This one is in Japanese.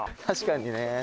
確かにね。